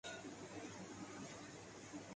مادی اعتبار سے یہ ایک کامیاب تجربہ تھا